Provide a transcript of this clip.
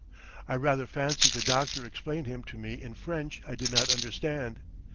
I rather fancy the doctor explained him to me in French I did not understand.